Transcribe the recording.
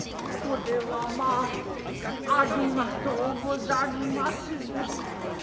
これはまあありがとうござりまする。